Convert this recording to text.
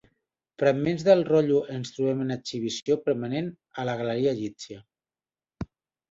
Fragments del rotllo es troben en exhibició permanent a la galeria egípcia.